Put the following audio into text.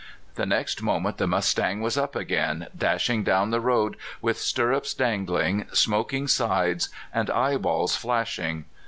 The next moment the mustang was up again, dashing down the road with stirrups dangling, smoking sides, and eye balls flashing.